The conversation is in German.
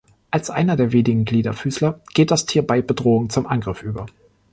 Als einer der wenigen Gliederfüßer geht das Tier bei Bedrohung zum Angriff über.